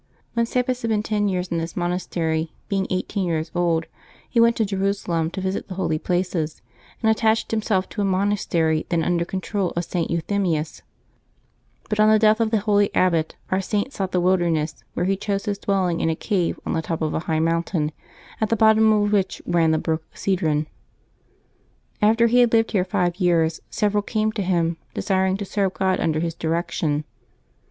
When Sabas had been ten years in this monastery, being eighteen years old, he went to Jerusalem to visit the holy places, and attached himself to a monastery then under control of St. Euthymius; but on the death of the holy abbot our Saint sought the wilderness, where he chose his dwelling in a cave on the top of a high mountain, at the bottom of which ran the brook Cedron. After he had lived here five 3'ears, several came to him, desiring to serve God under his direction.